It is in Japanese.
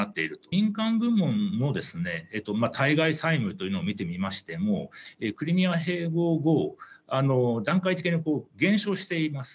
民間部門も、対外債務というのを見てみましても、クリミア併合後、段階的に減少しています。